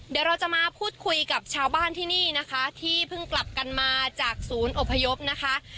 เดี๋ยวเราจะมาพูดคุยกับชาวบ้านที่นี่นะคะที่เพิ่งกลับกันมาจากศูนย์อพยพนะคะ